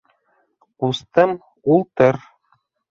Ҡустым, ултыр.